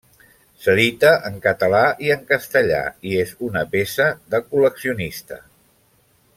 S'edita en català i en castellà i és una peça de col·leccionista.